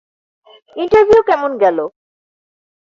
Interview কেমন গেলো?